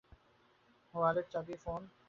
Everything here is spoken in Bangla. ওয়ালেট, চাবি, ফোন?